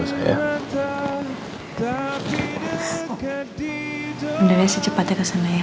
beneran ya secepatnya kesana ya